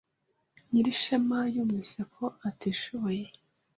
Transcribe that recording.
Nyirishema yumvise ko atishoboye.